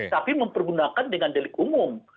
tapi mempergunakan dengan delik umum